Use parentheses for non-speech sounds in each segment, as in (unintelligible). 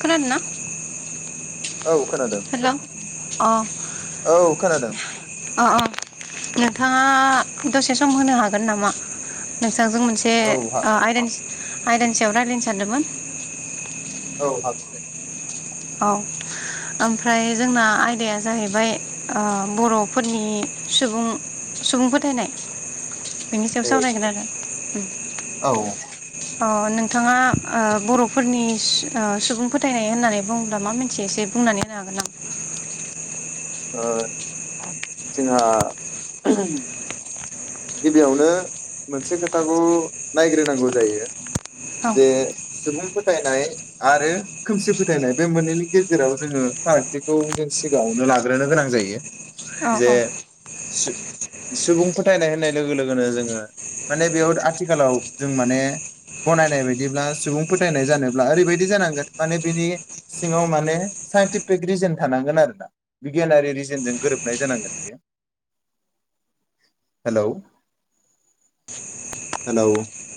खोनादोना? औ खोनादों हेलौ अ औ खोनादों अ अ नोंथाङा दसे सम होनो हागोन नामा? नों थांजों मोनसे औ हा ओ आयदानि-आयदानि सायाव रायलायनो सान्दोंमोन। औ हागोन दे। औ ओमफ्राय जोंना आयदाया जाहैबाय ओ बर'फोरनि सुबुं-सुबुं फोथायनाय। बेनि सायाव दे सावरायगोन आरो। (unintelligible) औ। अ नों थाङा ओ बर'। फोरनि सु ओह सुबुं फोथायनाय होननानै बुं मा मिनथियो एसे बुंनानै होनो हागोन (unintelligible) ओह। जोंहा। गिबियावनो मोनसे खोथाखौ नायग्रोनांगौ जायो। औ जे सुबुं। फोथायनाय आरो खोमसि फोथायनाय बे मोननैनि गेजेराव जोङो फारागथिखौ जों सिगाङावनो लाग्रोनो गोनां जायो। औ जे औ सु सुबुं फोथ थायनाय होननाय लोगो लोगोनो जोङो माने बेयाव आथिखालाव जों माने गनायनाय बायदिब्ला सुबुं फोथायनाय जानोब्ला ओरैबायदि जानांगोन माने बिनि सिङाव माने साइन्टिफिक रिजोन थानांगोन आरोना बिगियानारि रिजोनजों गोरोबनाय जानांगोन बियो। हेलौ हेलौ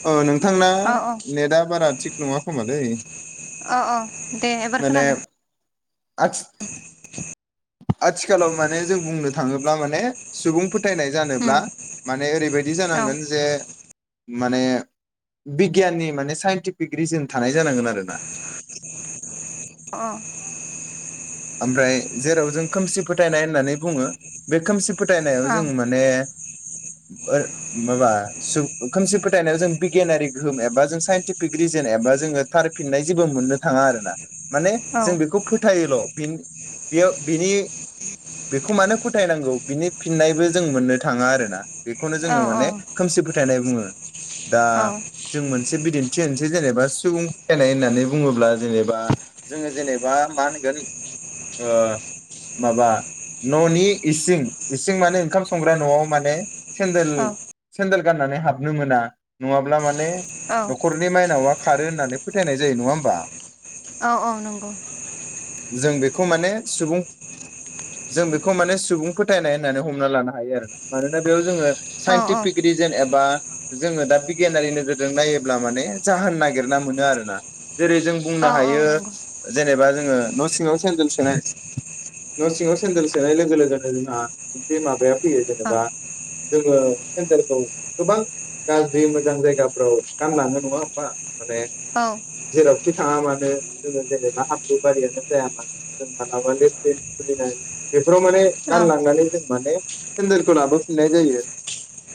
अ नों थांना औ नेदा बारा। थिग नङा खोमालै। अ अ दे एबार माने खोनादो। आथि आथिखालाव माने जों बुंनो थाङोब्ला माने सुबुं फोथायनाय जानो। उम ब्ला माने ओरैबायद दि औ जानांगोन जे माने बिगियाननि माने साइन्टिफिक रिजोन थानाय जानांगोन आरोना। अ। ओमफ्राय। जेराव जों खोमसि फोथायनाय होननानै बुङो बे खोमसि। औ फोथायनायाव जों माने। ओ माबा सुब खोमसि फोथायनायाव जों बिगियानारि गोहोम एबा जों साइन्टिफिक रिजोन एबा जोङो थारफिननाय जेबो मोननो थाङा आरो ना। माने जों बेखौ फोथायोल'। बिन बेयाव बिनि बेखौ मानो फोथायनांगौ बिनि फिननायबो जों मोननो थाङा आरोना। बेखौनो जोङो माने खोमसि फोथायनाय बुङो। (inaudible) दा जों मोनसे बिदिन थि होनोसै जेनेबा सुबुं फोथायनाय होननानै बुङोब्ला जेनेबा जोङो जेनेबा मा होनगोन। ओह माबा न'नि इसिं इसिं माने ओंखाम संग्रा न'आव माने। सेन्देल औ सेन्देल गाननानै हाबनो मोना नङाब्ला माने औ न'खरनि माइनावा खारो होननानै फोथायनाय जायो नङा ओमबा? औ औ नंगौ जों बेखौ माने सुबुं जों बेखौ माने सुबुं फोथायनाय होननानै हमना लानो हायो आरोना मानोना बेयाव जोङो औ औ साइन्टिफिक रिजोन एबा जोङो दा बिगियानारि नोजोरजों नायोब्ला माने जाहोन नागिरना मोनो आरोना जेरै जों औ बुंनो औ हायो नंगौ जेनेबा जोङो न' सिङाव सेन्देल सोनाय न' सिङाव सेन्देल सोनाय लोगो लोगोनो जोंहा मोनसे माबाया फैयो औ जेनेबा जोङो सेन्देलखौ गोबां गाज्रि मोजां जायगाफ्राव गानलाङो नङा होमबा माने औ। जेरावखि थाङा मानो जोङो जेनेबा हाम्रु बारियानो जाया मानो जों मालाबा लेथ्रिं खुलिनाय बेफोराव माने गानलांनानै जों माने सेन्देलखौ लाबोफिननाय जायो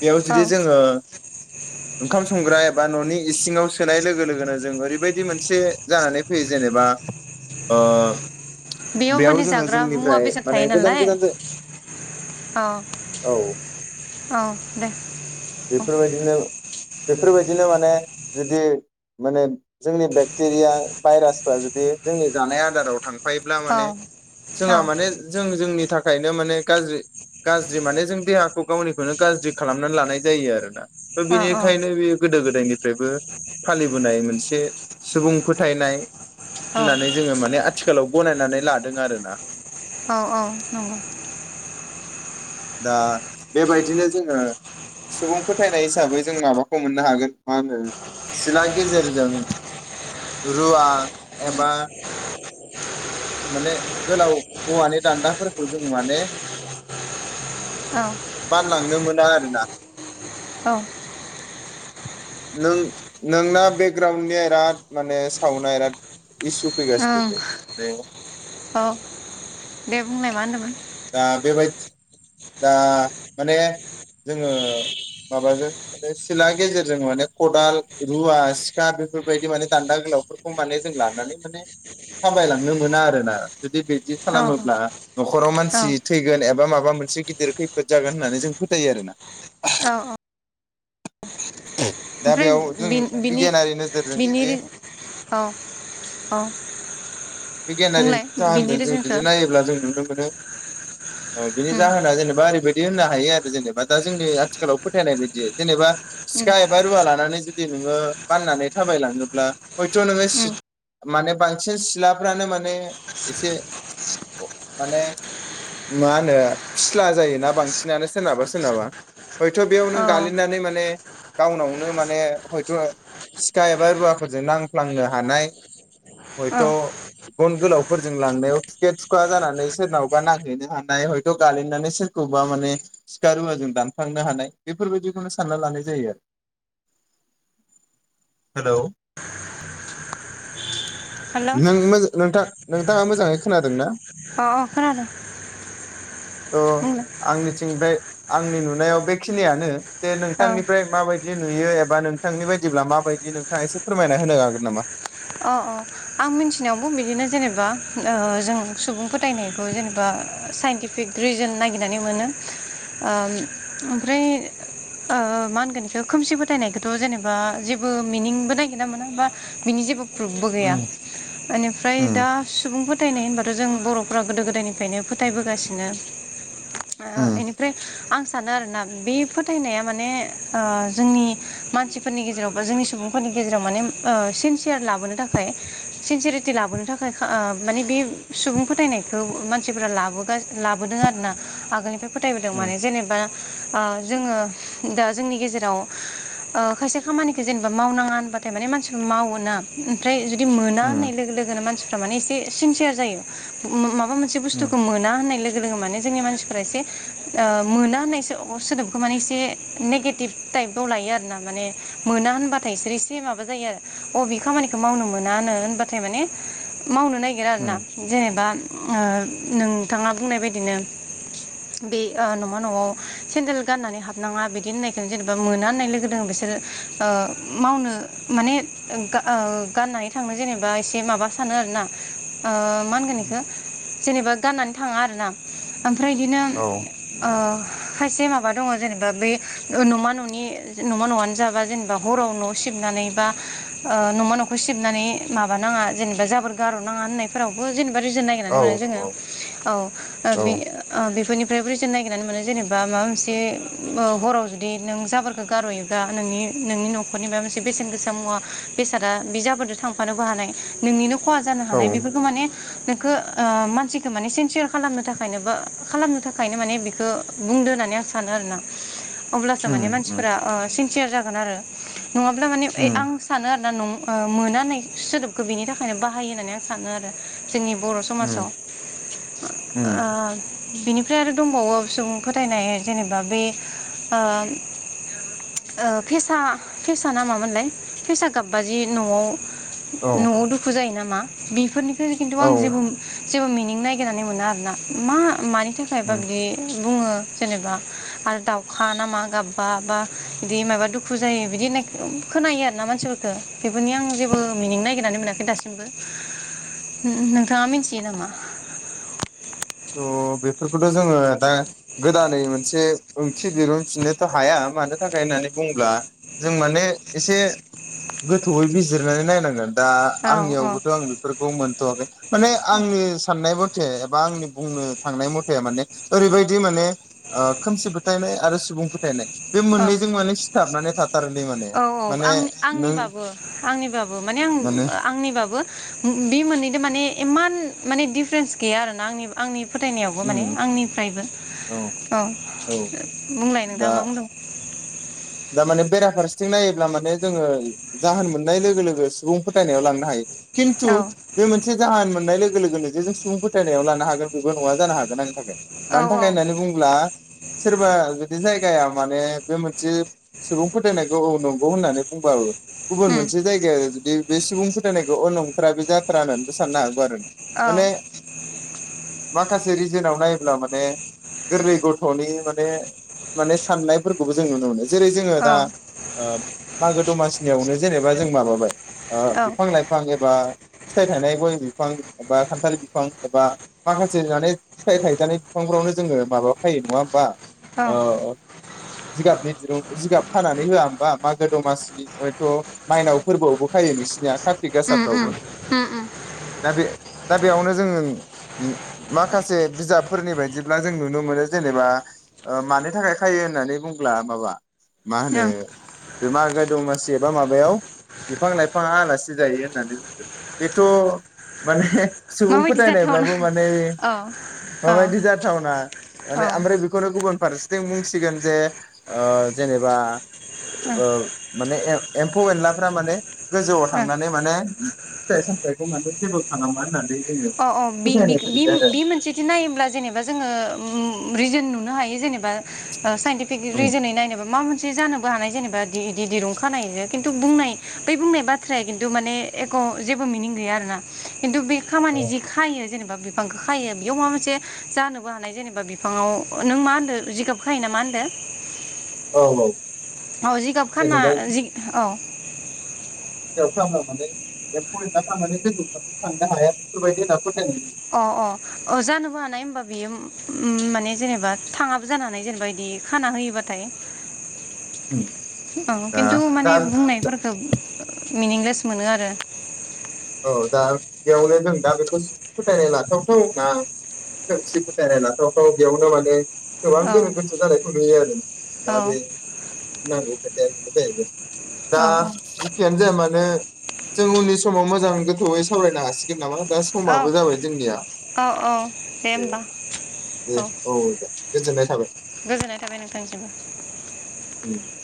बेयाव औ जुदि जोङो ओंखाम संग्रा एबा न'नि इसिङाव सोनाय लोगो लोगोनो जों ओरैबायदि मोनसे जानानै फैयो जेनेबा ओ बेयाव माने जोङो जाग्रा मुवा जोंनिफ्राय बेसाद माने थायो गोजान नालाय गोजान औ औ औ दे औ बेफोरबायदिनो बेफोरबायदिनो माने जुदि माने जोंनि बेक्टेरिया भाइरासफ्रा जुदि जोंनि जानाय आदाराव थां थांफायोब्ला औ माने औ जोंहा माने जों जोंनि थाखायनो माने गाज्रि गाज्रि माने जों देहाखौ गावनिखौनो गाज्रि खालामनानै लानाय जायो आरोना। बे नंगौ औ बिनिखायनो बे गोदो गोदायनि निफ्रायबो फालिबोनाय मोनसे सुबुं फोथायनाय औ। बे आथिखालाव गनायनानै लादों आरोना औ औ नंगौ। दा बेबायदिनो जोङो सुबुं फोथायनाय हिसाबै जों माबाखौ मोननो हागोन मा होनो सिला गेजेरजों रुवा एबा माने गोलाव औवानि दान्दाफोरखौ जों माने बानलांनो मोना आरोना। औ। नों नोंना बेकग्राउणडनि बिराद माने सावना बिराद इसु ओं फैगासिनोलै बे बुंनाय मा होनदोंमोन? दा बेबायदि दा माने जोङो माबाजों माने सिला गेजेरजों माने खदाल रुवा सिखा बेफोरबायदि माने दान्दा गोलावफोरखौ माने जों लानानै माने थामायलांनो मोना आरोना जुदि बिदि औ खालामोब्ला न'खराव औ मानसि थैगोन एबा माबा मोनसे गिदिर खैफोद जागोन होननानै जों फोथायो आरोना। औ दा बेयाव जों नि बिनि बिगियानारि नोजोरजों बिनि जुदि औ औ। बिगियानारि बुंलाय बिनि जाहोनजों जों रिजोनखौ जुदि नायोब्ला जों नुनो मोनो औ बिनि उम जाहोना जेनेबा ओरैबाय दि होनो हायो आरो जेनबा दा जोंनि आथिखालाव फोथाइनायबादि जेनबा उम सिखा एबा रूवा लानानै जुदि नोङो बाननानै थाबायलाङोल्बा हयथ' नोङो उम माने बांसिन सिला फ्रानो माने एसे माने मा होनो फिस्ला जायोना बांसिनानो सोरनाबा सोरनाबा हयथ' बेयाव नों गालिनानै माने गावनावनो माने हयथ' सिखा एबा रुवाफोरजों नांफ्लांनो हानाय औ हयथ' गन गोलावफोरजों लांनायाव थुखे थुखा जानानै सोरनावबा नांहैनो हानाय हयथ' गालिनानै सोरखौबा माने सिखा रुवाजों दानफ्लांनो हानाय बेफोरबायदिखौनो सानना लानाय जायो आरो हेल'। हेल' अ नों नोंथां नोंथाङा मोजाङै खोनादों ना? अ' अ' खोनादों। अ' बुंलाय आंनिथिं बे आंनि नुनायाव बेखिनियानो जे औ नोंथांनिफ्राय माबायदि दि नुयो एबा नोंथांनि बायदिब्ला मा बायदि नोंथाङा एसे फोरमायना होनो हागोन नामा? अ अ आं मिथिनायावबो बिदिनो जेनेबा ओ जों सुबुं फोथायनायखौ जेनेबा साइन्टिफिक रिजोन नागिरनानै मोनो ओ ओमफ्राय ओ मा होनगोन इखौ खोमसि फोथायनायखौथ' जेनेबा जेबो मिनिंबो नागिरना मोना बा बिनि जेबो प्रुफबो गैया। उम इनिफ्राय उम दा सुबुं फोथायनाय होनबाथ' जों बर' बर'आ गोदो गोदायनिफ्रायनो फोथायबोगासिनो। ओ इनिफ्राय आं सानो आरोना बे फोथायनाया माने ओ जोंनि मानसिफोरनि गेजेराव बा जोंनि सुबुंफोरनि गेजेराव माने ओ सिनसियार लाबोनो थाखाय सिनसियारेटि लाबोनो थाखाय ओ माने बे सुबुं फोथायनायखौ मानसिफोरा लाबोगा लाबोदों आरोना आगोलनिफ्राय फोथायबोदों उम माने जेनेबा ओ जोङो दा जोंनि गेजेराव ओ खायसे खामानिखौ जेनेबा मावनाङा होनबाथाय माने मानसिफ्रा मावो ना ओमफ्राय जुदि मोना होननाय उम लोगो लोगो मानसिफ्रा माने एसे सिनसियार जायो। माबा मोनसे बुस्थुखौ उम मोना होननाय लो गो लोगो जोंनि मानसिफोरा एसे ओ मोना होननाय सोदोबखौ माने एसे नेगेटिभ टाइपाव लायो आरोना माने मोना होनबाथाय इसोर एसे माबा जायो आरो अबे खामानिखौ मावनो मोनानो होनबाथाय माने मावनो नागिरा आरोना उम जेनेबा ओ नोंथाङा बुंनाय बायदिनो बे ओ न'मा न'आव सेन्देल गाननानै हाबनाङा बिदि होननायखौ जेनेबा मोना होननाय लोगो लोगो बिसोर ओ मावनो माने ओ आ गाननाय थांनो जेनेबा एसे माबा सानो आरोना ओ मा होनगोन उम इखो जेनेबा गाननानै थाङा आरोना। ओमफ्राय बिदिनो औ ओ खायसे माबा दङ जेनेबा बै न'मा न'नि न'मा न'आनो जाबा जेनेबा हराव न' सिबनानै बा ओ न'मा न'खौ सि बनानै माबा नाङा जेनेबा जाबोर गार'नाङा होननायफोरावबो जेनेबा जेबो रिजोन नागिरनानै औ मोना जोङो औ औ ओ औ बे ओ बेफोरनिफ बेयाव बो रिजोन नागिरनानै मोनो जेनेबा माबा मोनसे उम हराव जुदि नों जाबोरखो गारहयोब्ला नोंनि नोंनि न'खरनि माबा मोनसे बेसेन गोसा मुवा बेसादा बे जा बोरदो थांफानोबो हानाय नोंनिनो खहा जानो औ हानाय उम बेफोरखौ माने नोंखो ओ मानसिखौ माने सेन्सियार खालामनो थाखायनो बा खालामनो थाखायनो माने बेखौ बुंदो होननानै आं सानो आरोना। अब्लासो माने उम मानसिफोरा ओ सिन सियार जागोन आरो। नङाब्ला माने ओइ उम आं सानो आरोना नं औ। मोना होननाय सोदोबखौ बेनि थाखायनो बाहायो होननानै आं सानो आरो। जोंनि बर' उम समाजाव ओ उम बिनिफ्राय आरो दंबावो सुबुं फोथायनाय जेनेबा बे ओ ओ फेसा फेसा ना मामोनलाय फेसा गाबबा जि न'आव औ न'आव दुखु जायो नामा? बेफोरनि फ्राय खिन्थु औ आं जेबो उम जेबो मिनिं नायगिरनानै मोना आर ना मा मानि थाखायबा बिदि बुङो जेनेबा आरो दाउखा नामा गाबबा बा बिदि माबा दुखु जायो बिदि होननाय खोनायो आरोना मानसिफोरखो। बेफोरनि आं जेबो मिनिं नागिरनानै मोनाखै दासिमबो नोंथाङा मिथियो नामा? थ' बेफोरखौथ' जोङो दा गोदानै मोनसे ओंथि दिहुनफिननोथ' हाया मानो थाखाय होननानै बुंङोब्ला जों माने एसे गोथौयै बिजिरनानै नायनांगोन। दा औ औ आंनियावबोथ' आं बेफोरखौ मोनथ'वाखै माने आंनि साननायाबोथ' एखे एबा बुंनो थांनाय मथा माने ओरैबायदि माने खोमसि फोथायनाय आरो सुबुं फोथायनाय बे औ मोननैजों माने सिथाबनानै थाथारोलै माने औ औ माने आं नों आंनिबाबो आंनिबाबो माने आं आंनिबाबो बे मोननैजों माने इमान माने दिफारेन्स गैया आरोना आंनि आंनिबा। फोथायनायावबो माने उम आंनिफ्रायबो औ। औ एह बुंलाय नोंथांया मा बुंदोंमोन? (inaudible) (unintelligible) दामाने बेराफारसेथिं नायोब्ला माने जोङो जाहोन मोननाय लोगो लोगो सुबुं फोथायनायाव लांनो हायो। खिन्थु औ बे मोनसे जाहोन मोननाय लोगो लोगो लोगो जों सुबुं फोथायनायाव लानो हागोन बेबो नङा जानो हागोन आंनि थाखाय। औ मानि औ थाखाय होननानै बुंङोब्ला सोरबा जुदि जाय गाया माने बे मोनसे सुबुं फोथायनायखौ औ नंगौ होननानै बुंबाबो गुबुन उम मोनसे जायगाया आरो जुदि बे सुबुं फोथायनायखौ ओ नंथारा बे जाथारा होननानैबो साननो हागौ आरो। औ माने माखासे जोंनाव नायोब्ला माने गोरलै गथ'नि माने माने साननायफोरखौबो जों नुनो मोनो जेरै जोङो दा मागो दमासि नियावनो जेनेबा जों माबाबाय औ बिफां-लाइफां एबा फिथाइ थाइनाय गय बिफां एबा खान्थाल बिफां एबा माखासे माने फिथाइ थायजानाय बिफांफोरावनो जोङो माबा फायो नङा होमबा? औ। जिगाबनि दिरुं जिगाब खानानै होआ होमबा मागो दमासि हयथ' माइनाव फोरबोआवबो खायो नोंसिनिया कारतिक उम गासाफ्रावबो उम उम उम दा बे दा बेयावनो जोङो माखासे बिजाबफोरनि बायदिब्ला जों नुनो मोनो जेनेबा ओ मानिथाखाय खायो होननानै बुंब्ला माबा मा होनो औ बे मागो दमासि एबा माबायाव बिफां लाइफाङा आलासि जायो होननानै बुंदो बेथ' माने सुबुं माबायदि जाथावना फोथायनायब्लाबो माने औ औ माबायदि जाथावना माने औ ओमफ्राय बेखौनो गुबुन फारसेथिं बुंसिगोन जे ओ जेनोबा ओ माने ए-एम्फौ एनलाफ्रा माने गोजौआव ओ थांनानै माने फिथाइ सामथखौ मानथो जेबो खालामा होननानै जोङो अ अ फोथायनाय बि-बिख बिम थायो बिम मोनसेदि नायोब्ला जेनेबा जोङो उम रिजोन नु नुनो हायो जेनोबा ओ साइन्टिफिक आरो रिजोनै नायनोबा मा मोनसे जानोबो हानाय जेनो बा इदि इदि दिरुं खानायजों खिन्थु बुंनाय बै बुंनाय बाथ्राया खिन्थु माने एख' जेबो मिनिं गैया आरोना खिन्थु बि खामानि जि खायो जेनोबा बिफांखौ खायो बेयाव माबा मोनसे जानोबो हानाय जेनोबा बिफाङाव नों मा होनदो जिगाब खायोना मा होनदो? औ औ। औ जिगाब खाना जेनेबा जि जियाव औ (inaudible) अखा हानानै एम्फौ एनलाफ्रा मानि गोजौ फारसे थांनो हाया बेफोरबादि (unintelligible) अ अ ओ जानोबो हानाय होनबा बियो उम माने जेनेबा थाङाबो जानो हानाय जेनेबा इदि खाना होयोबाथाय जायो औ दा खिन्थु दा माने बुंनायफोरखौ मिनिंलेस मोनो आरो। औ दा बेयावनो जों दा बेखौ फोथायनाय लाथावथाव ना खोमसि फोथायनाय लाथावथाव बेयावनो माने गोबां औ गोनो गोथो जानायखौ नुयो आरो दा औ बे (unintelligible) खोथाया बिदिजायैबाय। दा औ जिखियानो जाया मानो जों उननि समाव मोज आं गोथौयै सावरायनो हासिगोन नामा? दा औ समाबो जाबाय जोंनिया औ औ दे होमबा दे औ औ दे गोजोननाय थाबाय। गोजोननाय थाबाय नोंथांनिसिमबो उम।